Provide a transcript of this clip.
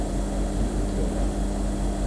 Ни үҙгәрә?